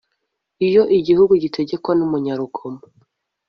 iyo igihugu gitegekwa n'umunyarugomo